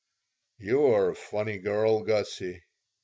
"You're a funny girl, Gussie.